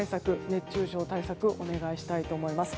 熱中症対策をお願いしたいと思います。